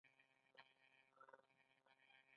د کابل زلزلې معمولا څو درجې وي؟